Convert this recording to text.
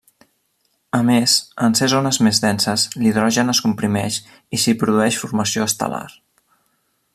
A més, en ser zones més denses, l'hidrogen es comprimeix i s'hi produeix formació estel·lar.